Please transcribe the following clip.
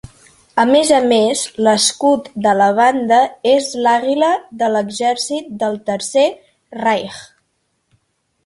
A més a més, l'escut de la banda és l'àguila de l'exèrcit del Tercer Reich.